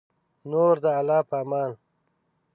نور د الله په امان